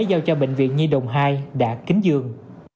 giao cho bệnh viện nhi đồng hai đã kính dường